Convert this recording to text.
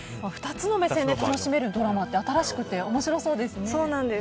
２つも目線で楽しめるドラマは新しくて面白そうですね。